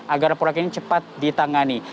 agar proyek ini cepat ditangani